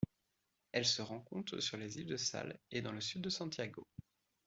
Elle se rencontre sur les îles de Sal et dans le Sud de Santiago.